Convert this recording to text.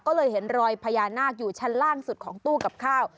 ก็เลยเห็นรอยพญานาคอยู่ชั้นล่างสุดของตู้กับข้าว